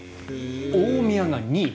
大宮が２位。